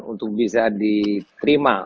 untuk bisa diterima